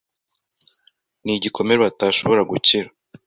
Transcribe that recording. ni igikomere batashobora gukira,